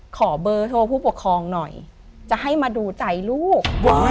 ขอเบอร์โทรผู้ปกครองหน่อยจะให้มาดูใจลูก